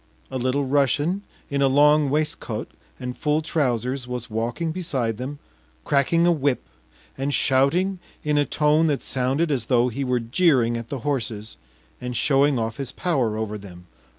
A Little Russian in a long waistcoat and full trousers was walking beside them, cracking a whip and shouting in a tone that sounded as though he were jeering at the horses and showing off his power over them.